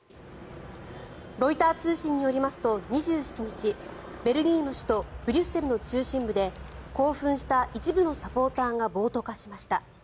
ロイター通信によりますと２７日ベルギーの首都ブリュッセルの中心部で興奮した一部のサポーターが暴徒化しました。